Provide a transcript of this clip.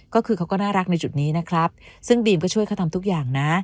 ก็คือเขาก็น่ารักในจุดนี้นะครับซึ่งบีมก็ช่วยเขาทำทุกอย่างนะ